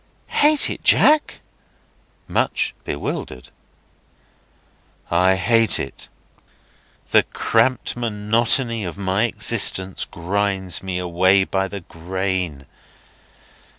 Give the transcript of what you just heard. "Hate it, Jack?" (Much bewildered.) "I hate it. The cramped monotony of my existence grinds me away by the grain.